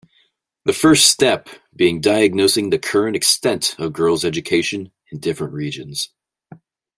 The first step being diagnosing the current extent of girls' education in different regions.